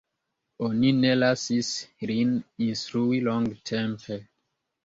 Oni ne lasis lin instrui longtempe.